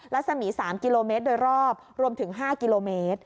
สมี๓กิโลเมตรโดยรอบรวมถึง๕กิโลเมตร